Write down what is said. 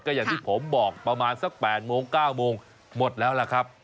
อย่างที่ผมบอกประมาณสัก๘โมง๙โมงหมดแล้วล่ะครับ